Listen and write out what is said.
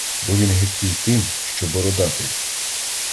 Бо він гидкий тим, що бородатий!